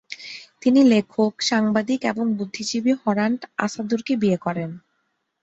তিনি লেখক, সাংবাদিক এবং বুদ্ধিজীবী হরান্ট আসাদুরকে বিয়ে করেন।